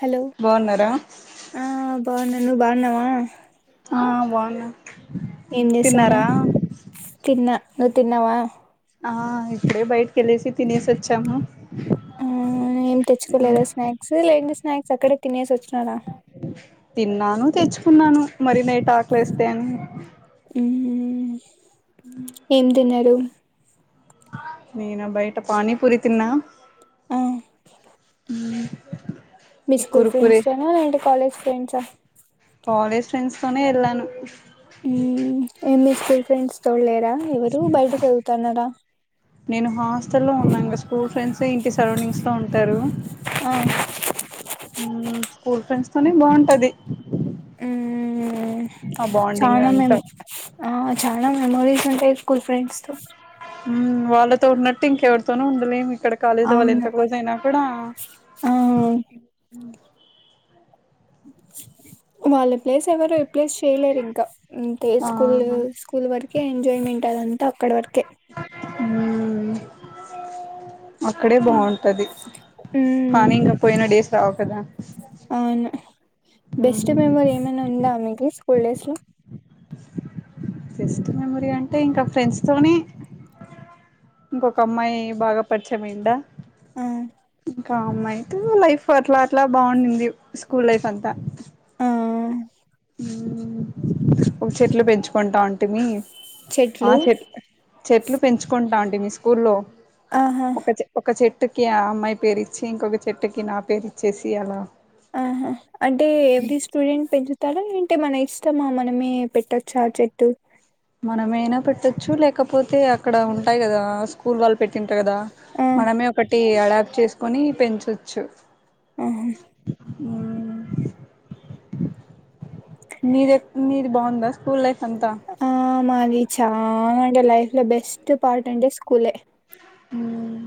Hello బాగున్నారా ఆ బావున్న నున్న బానవా ఆ బావున ఏం చేస్తున తిన్నా నువ్ తిన్నావా ఆ ఇప్పుడే బయట్ వేలేసి తినేసొచ్చాము ఆ ఏం తెచ్చుకోలేదా స్నాక్స్ లేదంతే స్నాక్స్ అక్కడె తినేసి వచ్చి తన్నా ను తెచూ కున్నాను మరి నైట్ టాక్లు వేస్తే అని ఉహం ఏం తినరు ననా బయట పానీి పూరి తన్నా ఆ మీ స్కూల్ కురుకురే ఫ్రెండ్స్ తోనా లేదంటే కాలేజ్ ఫ్రెండ్సాఆ కాలేజ్ ఫ్రెండ్స్ తోనే వెళ్ళాను ఉ ఏమి మీ స్కూల్ ఫ్రెండ్స్ తోడు లేరా ఎవరు బయట పోతన్నారా నేను హాస్ట లో ఉన్నాగా స్కూల్ ఫ్రెండ్స్ ఇంటి సరౌండింగ్స్ లో ఉన్ టరు ఆ స్కూల్ ఫ్రెండ్స్ తోనే బాఉంటది అ బాండింగ్ చానా అంతా మేము ఆ చాలా మెమరీస్ ఉంటాయి స్కూల్ ఫ్రెండ్స్తో మ్మ్ వాళ్ళతో ఉన్నట్టు ఇంకెవరితోన ఉండలేమి ఇక్కడ కాలేజీ వాళ్ళు అవును ఎంత క్లోజ్ అయినా కూడా ఆ వాళ్ళ ప్లేస్ ఎవరు రిప్లేస్ చేయలేరు ఇంకా అంటే ఆ స్కూల్ స్కూల్ వరకే ఎంజాయ్మెంట్ అదంతా అక్కడ వరకే హు అక్కడే ఉమ్ బాగుంటది ఉమ్, కానీ ఇంక పోయిన డేస్ రావు కదా అవును బెస్ట్ మెమోరి ఏదైనా ఉందా మికి స్కూల్ డేస్ లో బెస్ట్ మెమరీ అంటే ఇంకా ఫ్రెండ్స్ తోనే ఇంకొక అమ్మాయి బాగా పరిచయమైందా ఆ బ అమ్మ అయితే లైఫ్ అట్లా అట్లా బాగుంంది స్కూల్ లైఫ్ అంతా ఆ ఒక చెట్లు పెంచుకుంటా ఉంటిే మీ ఆ చెట్లు చెట్ చెట్లు పెంచుకుంటాంట ే మీ స్కూల్లో ఆహా ఒక చె ఒక చెట్ ట్కి ఆ అమ్మాయి పేరుచ్చి ఇంకొక చెట్టుకి నా పేరు ఇచ్చేసి అలా ఆహా అంటే ఎవరీ స్టూడెంట్ పెంచుతారా అే మన ఇష్టమా మనమే పెట్టొచ్చ ఆ చెట్టు మనమైనా పెట్టొచ్చు లేకపోతే అక్కడ ఉంటాయి కదా స్కూల్ వాళ్ళు పెట్టిన కదా ఆ మనమే ఒకటి అడాప్ట్ చేసు కొని పెంచొచ్చు ఆహా ఆ నీదే నీది బాగుంద స్కూల్ లైఫ్ అంతా ఆ మాది చాలా అంటే లైఫ్లో బెస్ట్ పార్ట్ అంటే స్కూలే మ్మ్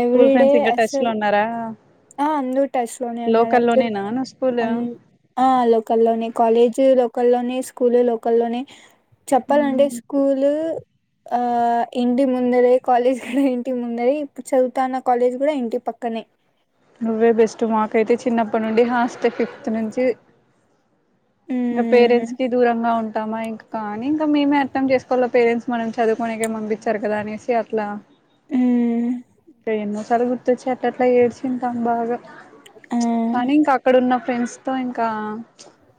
స్కూల్ ఎవ్రీ డే ఫ్రెండ్స్ ఇంకా టచ్ లో అసలు ఉన్నారా ఆ అందర ట్రస్ట్ లోనే ఉన్నారు లోకల్లోనేనా నువ్వు స్కూల్ అంద ఆ లోక లోనే కాలేజీ లో లోల్లోనే స్కూల్ లోకల్లోనే చెప్పాలంటే స్కూల్ ఆ ఇంటి ముందరే కాలేజ్ కూడా ఇంటి ముందరే ఇప్పుడు చదువుతాన్న కాలేజ్ కూడా ఇంటి పక్కనే నువ్వే బెస్ట్ మాకైతే చిన్న ప్పటి నుండి హాస్ట్ ఫిఫ్త్ నుంచి ఇంకా మ్మ్ పేరెంట్స్ కి దూరంగా ఉం కామా ఇంకా కానీ ఇంకా మేమే అర్థం చేసుకోల్ల పేరెంట్స్ మనం చదువుకునేకే పంపించారు కదా అనేసి అట్లా మ్మ్ కైన్న చాలాసార్లు గుర్తొచ్చి అట్ అట్లా ఏడ్చింటాం బాగా ఆ కానీ ఇంకా అక్కడ ఉన్నప్పు ఫ్రెండ్స్ తో ఇంకా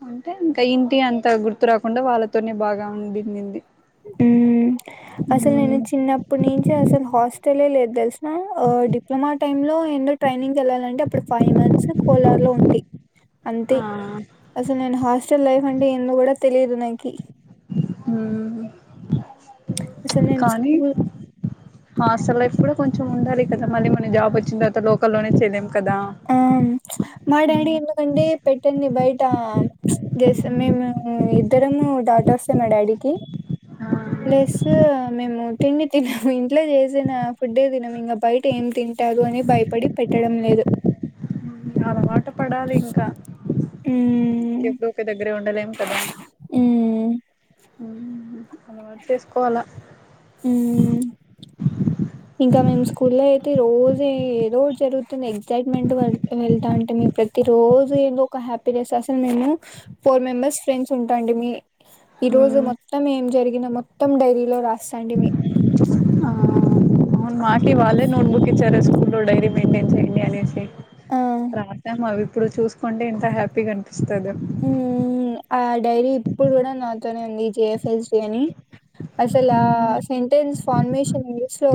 అంటే ఇంకా ఇంటి అంత గుర్తు రాకుండా వాళ్ళతోనే బాగా ఉండిందింది ఊ అసలు నేను మ్మ్ చిన్నప్పుటి నుంచి అసలు హాస్ తెలియలేదు తెలుస్ ఓ డిప్లొమా టైమ్ లో ఎన్నో ట్రైనింగ్ వెళ్లాలంటే అప్పుడు ఫైవ్ మంత్స్ కోలార్ లో ఉంటీ ఆ అంతే అసలు నేను హాస్టల్ లైఫ్ అంటే ఎందో కూడా తెలిద్ [unintelligible] ఉమ్ అసలు నేను కానీ స్కూల్ హాస్టల్ లైఫ్ కొంచెం ఉండాలి కదా మళ్ళీ మన జాబ్ వచ్చిన తర్వాత లోకల్లోనే చేయలేము ఆ మా డాడీ ఎందుకండి పెట్టింది బయట్ ఇంకా స్ మేము ఇద్దరము డాటర్సే మా డాడీకి ఆ ప్లస్ మేము తిండి తినము ఇంట్లో చేసిన ఫుడ్డే తినము ఇంకా బయట ఏం తింటారు అని భయపడి పెట్టడం లేదు ఎట్లో పడాలి ఇంకా ఎప్పుడు ఒక దగ్గరే ఉండలేం ఉమ్ అవున అలవాటు చేసుకోవాల మ్మ్ ఇంకా మేము స్కూల్ లో ప్రతి రోజూ ఏదో జరుగుతుంది వెళ్తా అంటే మీ ప్రతి రోజు ఏదో ఒక హ్యాపీనెస్ అసలు మేము ఫోర్ మెంబెర్స్ ఫ్రెండ్స్ ఉంటా అండి మీ ఈరోజు మ్మ్ మొత్తం ఏం జరిగిన మొత్తం డైరీలో రాస్తాంటిమి ఆ అవును [unintelligible] చెప్తారు స్కూల్లో డైరీ మెయింటైన్ చేయండి అనేసి ఆ రాసాము అవి ఇప్పుడు చూసుకుంటే ఇంత హ్యాపీగా అన్ ఇస్తదెం మ్మ్ ఆ డైరీ ఇప్పుడు కూడా నాతోనే ఉంది జేఎస్ఎమ్ అని అసలా సెంటెన్స్ ఫార్మేషన్ న్యూస్ లో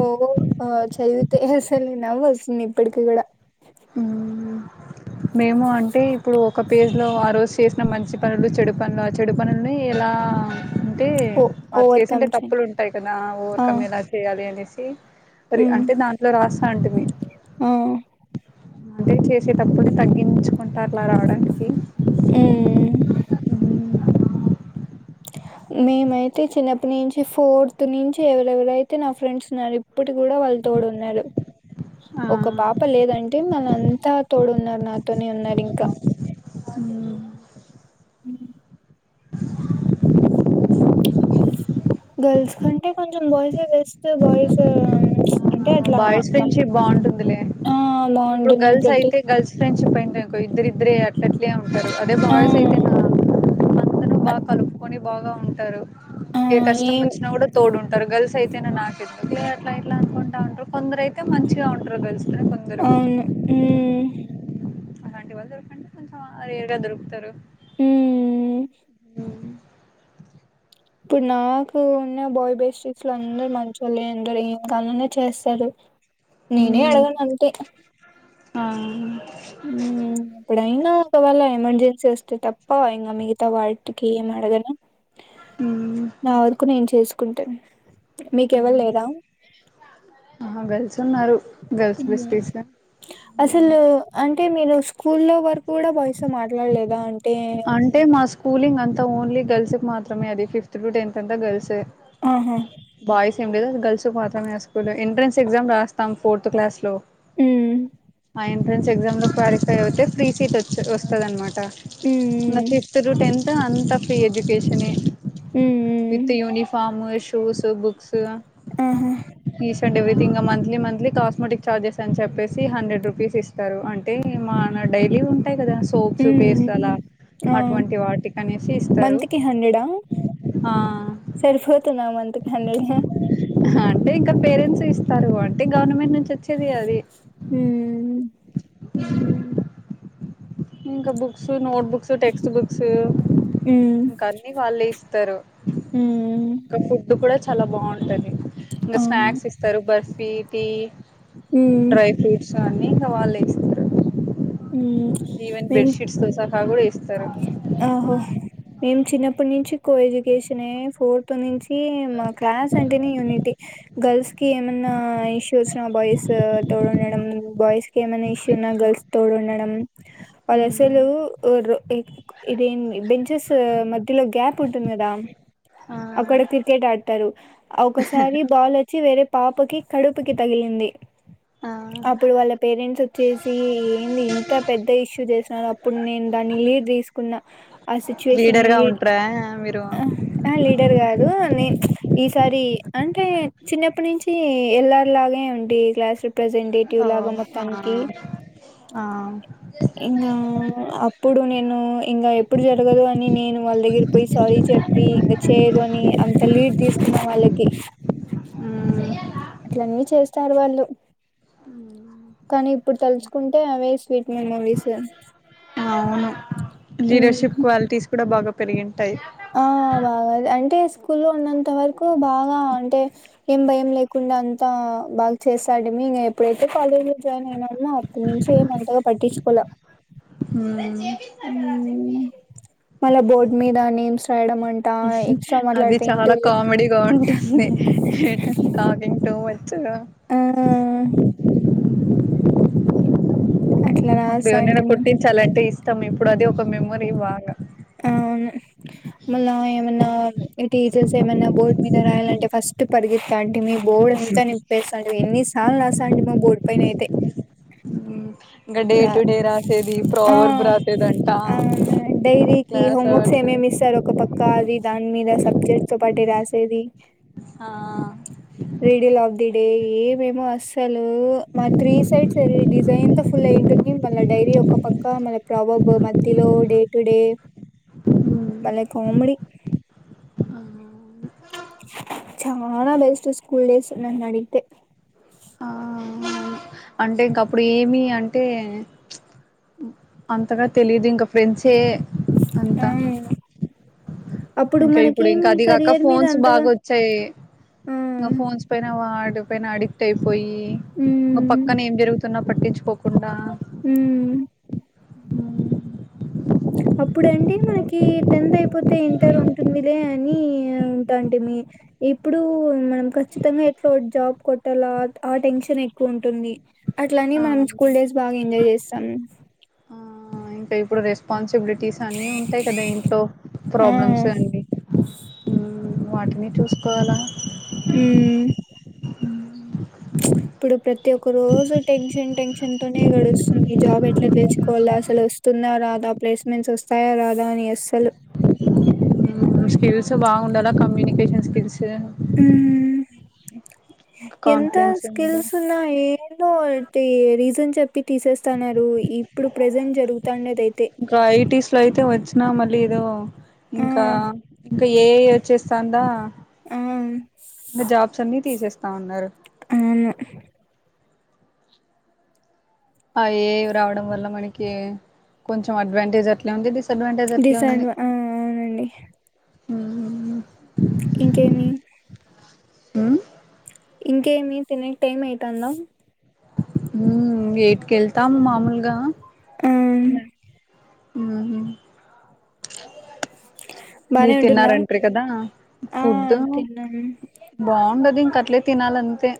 ఆ చదివితే అసలు నవ్ వస్తుంది ఇప్పటికి కూడా మ్మ్ మేము అంటే ఇప్పుడు ఒక పేజ్ లో ఆ రోజు చేసిన మంచి పనులు చెడు పనులు ఆ చెడు పనుల్ని ఎలా అంటే ఓ అది ఓవర్కమ్ చేసింటే చేయండి తప్పులు ఉంటాయి కదా ఆ ఓవర్కమ్ ఎలా చేయాలి అనేసి ఇ మరి మ్మ్ అంటే దాంట్లో రాస్ అంటు మీ ఆ అదే చేసేటప్పుడు తగ్గించుకుంటారులా రావడానికి ఏ మ్మ్ మేమైతే చిన్నప్పటి నుంచి ఫోర్త్ నుంచి ఎవరెవరైతే నా ఫ్రెండ్స్ ఉన్నారు ఇప్పుడు కూడా వాళ్ళు తోడు ఉన్నారు ఆ ఒక పాప లేదంటే మళ్ళ అంతా తోడు ఉన్నారు నాతోనే ఉన్నారు ఇంకా మ్మ్ గర్ల్స్ కంటే కొంచెం బాయ్స్ బస్ట్ బాయస్ బాయ్స్ ఫ్రెండ్షిప్ బాగుంటుందిలే ఆ ఇప్పుడు బాగుంటుంది గర్ల్స్ ప్రతి అయితే గర్ల్స్ ఫ్రెండ్స్ చపాయ్ధనుకో ఇద్దరు ఇద్దరే అట్ల అట్ల అంతే ఉంటారు అదే ఆ బాయస్ అయితే నా అంతను బాగా కలుపుకొని బాగా ఉంటారు ఆ ఏ కష్టం ఏం వచ్చినా కూడా తోడున్ తొరగల్స్ అయితేన నాకు ఎందుకు అట్లా ఎట్లా అనుకుంటండ్రు కొందరు అయితే మంచిగా ఉంటారు గలిసి అవును ఉమ్ అలాంటి వాళ్ళు దొరకంటే కొంచెం రేర్ గా దొరుకుతారు ఉ ఉమ్ ఇప్పుడు నాకు ఉన్న బాయ్ బేస్టక్స్లు అందరు మంచోలే అందరు ఏం పని ఉన్న చేస్తారు నేనే అడగను అంతే ఆ ఉ ఏపుడైనా ఒకవాల ఎమర్జెన్సీ వస్తే తప్ప ఇంగ మిగతా వాటికి ఏం అడగను ఉమ్ నా వరకు నేను చేసు కుంటున్ ఆహా గర్ల్స్ తున్నారు అసలు అన్ అంటే నేను స్కూల్లో వరకు కూడా వయసు మాట్లాడలేదా అంటే అంటే మా స్కూలింగ్ అంత్ ఓన్లీ గల్స్ మాత్రమే అది ఫిఫ్త్ టు టెన్త్ అంతా గర్ల్స్ ఆహా బాయ్స్ ఏం లేదు అది గల్స్ మాత్రం మే ఆ స్కూల్ ఎంట్రన్స్ ఎగ్జామ్ రాస్తాం ఫోర్త్ క్లాస్లో ఉ ఆ ఎంట్రన్స్ ఎగ్జామ్ లో క్వాలిఫై అయితే ఫ్రీ సీట్ వ వస్తది అనమాట కుత్త [inaudible] నా హ్మ్ ఫిఫ్త్ టు టెన్ అ అంత ఫ్రీ ఎడ్యుకేషనే హ్మ్ హ్మ్ హ్మ్. With uniform shoe shoes books ఆహా ండ్ ఎవ్రీథింగ్ మంత్లీమంత్త్లీ కాస్మెటిక్ ఛార్జెస్ అని చెప్పేసి హండ్రెడ్ రూపీస్ ఇస్తారు అంటే మన డైలీ ఉంటాయి కదా సోప్స్ ఉమ్ పేస్టలలా ఆ అటువంటి వాటికనేసి ఇస్తారు మంత్ కి హండ్రెడా ఆ ఆ మంత్ కి హండ్రెడే అంటే ఇంకా పేరెంట్స్ ఇస్తారు వా అంతే గవర్నమెంట్ నుంచి వచ్చేది అది ఉమ్ ఇంకా books note books text books ఇంకా అన్ని వాళ్లే ఇ తరు ఉమ్ ఇక ఫుడ్డ్ కూడ చా చాలా బాగుంటది ఇంకా ఆ స్నాక్స్ ఇస్తారు బర్ఫీ ఈ ఉమ్ డ్రై ఫ్రూట్స్ అన్ని వాళ్లే ఇస్తారు ఈవెన్ మేం బెడ్షీట్స్ తొ సహా కూడా ఇస్తరు మేము చిన్నప్పటి నుంచి కో ఎడ్యుకేషనే ఫోర్త్ నుంచి మా క్లాస్ అంటేనే యూనిటీ గర్ల్స్ కి ఏమైన్నా ఇష్యూస్ బాయ్స్ తో ఉండడం బాయ్స్ కి ఏమైన్నా ఇష్యూ ఉన్నా గర్ల్స్ తోడు ఉండడం వాళ్ళు హ్మ్. అసలు ఇదే బెంచెస్ మధ్యలో గ్యాప్ ఉంటుంది కదా ఆ అక్కడ క్రికెట్ ఆడతారు ఒకసారి బాల్ వచ్చి వేరే పాపకి కడుపుకి తగిలింది ఆ అపుడు వాల్ల పేరెంట్స్ వచ్చేసి ఇంత పెద్ద ఇష్యూ చేసినరు అప్పుడు నేను దాన్ని లీడ్ తీసుకున్న ఆ సిచ్యుయేషన్ లీడర్ గా లీడ్ ఉంటరా మీరు? లీడర్ కాదు నే ఈసారి అంటే చిన్నప్పటి నుంచి ఎల్లర్ లాగే ఉండి క్లాస్ రిప్రజెంటేటివ్ ఓ లాగా ఆ మొత్తానికి ఆ ఇంగా ప్పుడు నేను ఇంకా ఎప్పుడు జరగదు అని నేను వాళ్ళ దగ్గర పోయి సారీ చెప్పి ఇంక చేయరు అని అంత లీడ్ తీసుకున్నా వాళ్ళకి హ్మ్. అట్లనే చేస్తారు వాళ్ళు కానీ ఇప్పుడు తలుచుకుంటే అవే స్వీట్ మెమోరీస్ అవును. ఉమ్ లీడర్షిప్ క్వాలిటీస్ కూడా బాగా పెరిగింటాయి ఆ బాగా అంటే స్కూల్లో ఉన్నంత వరకు బాగా అంటే ఆ స్కూల్లో ఉన్నంతవరకుఏం భయం లేకుండా అంతా బాగా చేస్తాడు మ ఎప్పుడైతే కాలేజ్ లో జాయిన్ అయినమో అప్పటి నుంచి ఏమ అంతగా పట్టించుకోలే హు ఏరా ఉమ్ మళ్ళ బోర్డ్ మీద నేమ్స్ రాయడం అంట ఎక్స్ట్రా అది మాట్లాడితే చాలా ఇంటూలు కామెడీగా ఉంటుంది టాకింగ్ టూ మ చ్ గా ఆ అట్లా అప్పుడు ఎవరినైనా రాస్తాంటిమి కొట్టించాలంటే ఇస్ మొత్తం ఇప్పుడు అది ఒక మెమొరీ బాగా ఆవును మళ్ళా ఏమన్నా టీచర్స్ ఏమన్నా బోర్డు మీద రాయాలంటే ఫస్ట్ పరిఫెత్తంటిమి బోర్డు ఎంతా నిప్పేస్తా ఎన్ని ల్ రాసా అండి మా బోర్డ్ పైనా అయితే హు రా ఆ రాసేదంట ఆ డైరీకి క్లాస్ హోంవర్క్స్ అవర్స్ ఏమేమి ఇస్తారు ఒక పక్క క్క దాని మీద సబ్జెక్ట్ తో పాటే రాసేది ఆా రెడిల్ ఆఫ్ ది డే మేము అస్సలు మా త్రీ సైడ్స్ అ డిజైన్ త ఫుల్ ఏంటుంది మళ్ళా డైరీ ఒ పక్క మళ్ళ ప్రొవెర్బ్స్ మధ్యలో డే టు డే మళ్ళీ కామెడీ చాలా బెస్ట్ స్కూల్ డేస్ నన్ను అడిగితే ఆ అంటే ఇంక అప్పుడు ఏమి అంటే అంతగా తెలిదు ఇంక ఫ్రెండ్సే ఏ అవును ఇంకా ఇప్పుడు ఇంకా అది కాక మీద ఫోన్స్ అంతగా బాగా వచ్చాయి ఆ ఇంకా ఫోన్స్ పైన వా పైన అడిక్ట్ అయిపోయి ఒక ఉమ్ పక్కన ఏం జరుగుతు న్న పట్టించుకోకుండా హు అప్పుడండి మనకి టెన్త్ అయిపోతే ఇంటర్ ఉంటుందిలే అని ఉంటాంటే మీ ఇప్పుడు మనం ఖచ్చితంగా ఎట్లా జాబ్ కొట్టాలా ఆ టెన్షన్ ఎక్కువ ఉంటుంది అట్నే ఆ మనం స్కూల్ డస్ బాగా ఎంజాయ్ చేస్తే సం ఆ ఇంకా ఇప్పుడు రెస్పాన్సిబిలిటీ స్ అన్ని ఉంటాయి కదా ఇంట్లో ఆ ప్రాబ్లమ్స్ అన్ని వాటిని చూసుకోవాలా హ్మ్ ఇప్పుడు ప్రతి ఒక్క రోజు టెన్షన్ టెన్షన్ తోనే గడుస్తుంది జాబ్ ఎట్లా తెచ్చుకోవల్ల అసలు వస్తుందా రాదా ప్లేస్మెంట్స్ వస్తాయా రాదా అని అస్సలు స్కిల్స్ బాగుండాల కమ్యూనికేషన్ స్కిల్స్ క ఉమ్ ఎంత స్కిల్స్ ఉన్నా ఏందో ఒ తి రీజన్ చెప్ ప్పి తీసేస్తన్నారు ఇప్పుడు ప్రజెంట్ జరుగుతాండదయితే నామా లేదో ఇంకా ఇంకా ఏ ఐ వచ్చేస్తాందా ఆ ఇంకా జాబ్స్ అన్ని తీసేస్తా ఉన్నారు అవును అ ఏ రావడం వల్ల మనకి కొంచెం అడ్వాంటేజ్ అట్లా ఉంది డి డిసడ్వా ఆ అవునండి హ్మ్ ఇంకేమి హ్మ్ ఇంకేమి తినేకి టైం అయితాందా హ్మ్ ఎయిట్ కెళ్తాము మామూలుగా ఆ హ్మ్ బానే మీరు ఉంటుందా తిన్నారంట్రీ కదా ఆ ఫుడ్ తిన్నాను బా ఉండదు ఇంకా అట్లే తినాలంతే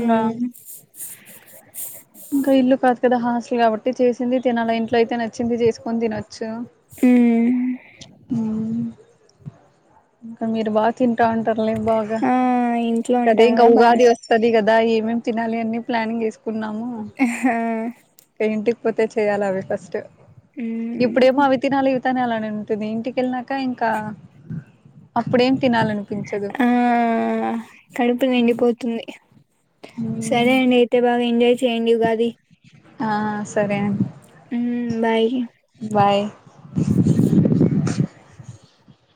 ఇంగా ఇంకా ఇల్లు కాదు కదా హాస్ల్ కాబట్టి చేసింది తినాల ఇంట్లో అయితే నచ్చింది చేసుకొని తనొచ్ చ్చు ఉమ్ హ్మ్ ఇంకా మీరు బా తి తింటాంటారులే బాగా ఆ ఇంట్లో ఇంక అదే ఉంటాం ఇంకా కదా బానే ఉగాది వస్తది కద దా ఏమేం తినాలి అన్నీ ప్లానింగ్ యేసుకున్నాము ఆ కపోతే చేయాలి అవి ఫస్ట్ ఉమ్ ఇప్పుడేమి అవి తినాల అలానే ఉంటుంది ఇంటికెళ్నాక ఇంకా అప్పుడేం తినాలనిపించదు ఆ కడుపు ఉ నిండిపోతుంది ఉమ్ సరే అండి అయితే బాగా ఎంజాయ్ చేయ్యండి ఉగాది ఆ సరే అండి హు బాయ్ [unintelligible]